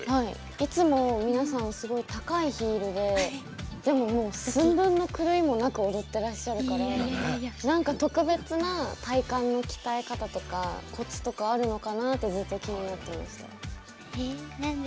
いつも皆さん高いヒールででも、寸分の狂いもなく踊ってらっしゃるから特別な体幹の鍛え方とかコツとかあるかなとずっと気になってました。